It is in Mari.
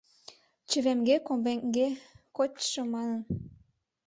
Чывемге-комбемге кочшо манын.